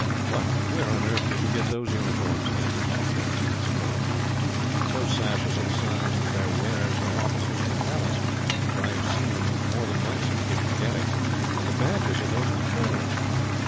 "Why, where on earth did you get those uniforms?" Captain Holland asked, in surprise. "Those sashes are the signs that their wearers are officers of the Palace, for I have seen them more than once at Kistnagherry; and the badges are those of colonels.